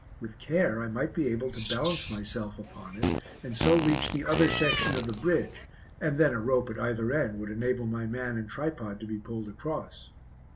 With care I might be able to balance myself upon it and so reach the other section of the bridge and then a rope at either end would enable my man and tripod to be pulled across.